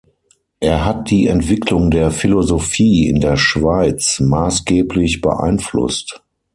Er hat die Entwicklung der Philosophie in der Schweiz maßgeblich beeinflusst.